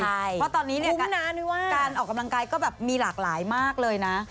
เพราะตอนนี้เนี่ยคุ้มนะการออกกำลังกายก็แบบมีหลากหลายมากเลยนะ